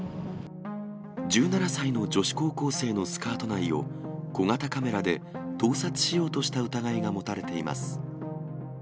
１７歳の女子高校生のスカート内を小型カメラで盗撮しようとした疑いが持たれています。